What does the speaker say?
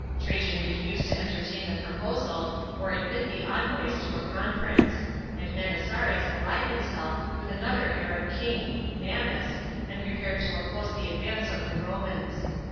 Trajan refused to entertain the proposal or admit the envoys to a conference, and Manisares allied himself with another Arab king, Mannus, and prepared to oppose the advance of the Romans.